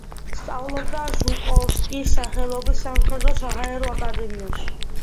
სწავლობდა ჟუკოვსკის სახელობის სამხედრო-საჰაერო აკადემიაში.